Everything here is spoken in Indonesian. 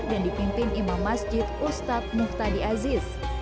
dan dipimpin imam masjid ustadz muftadi aziz